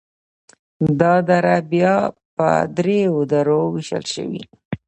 دا دره بیا په دریو درو ویشل شوي: